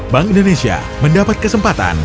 bank indonesia mendapat kesempatan